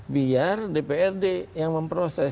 biar dprd yang memproses